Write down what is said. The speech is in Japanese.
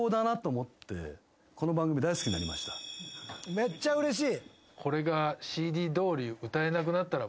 めっちゃうれしい！